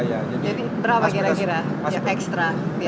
jadi berapa kira kira ekstra biaya yang kita butuhkan